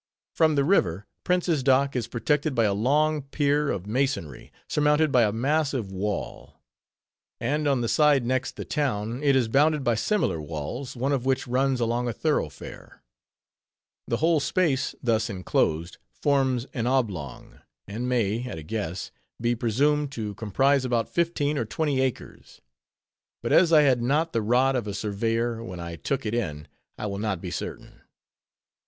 From the river, Prince's Dock is protected by a long pier of masonry, surmounted by a massive wall; and on the side next the town, it is bounded by similar walls, one of which runs along a thoroughfare. The whole space thus inclosed forms an oblong, and may, at a guess, be presumed to comprise about fifteen or twenty acres; but as I had not the rod of a surveyor when I took it in, I will not be certain.